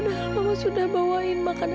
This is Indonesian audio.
anda melihat walaupun ada bagian dari jakarta